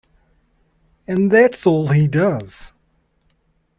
And that's all he does!